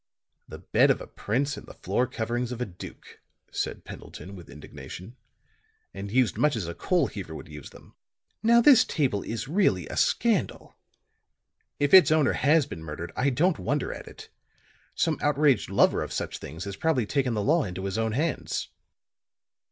"The bed of a prince and the floor coverings of a duke," said Pendleton with indignation. "And used much as a coal heaver would use them. Now, this table is really a scandal. If its owner has been murdered, I don't wonder at it. Some outraged lover of such things has probably taken the law into his own hands."